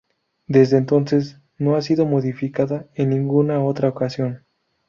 Desde entonces, no ha sido modificada en ninguna otra ocasión.